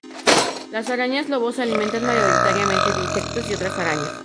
Las arañas lobo se alimentan mayoritariamente de insectos y otras arañas.